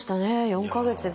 ４か月で。